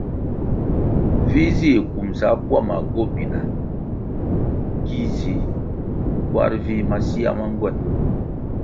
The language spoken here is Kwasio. Vi zih kumbʼsa bwama gobina ki zi kwar vih masea ma ngwen.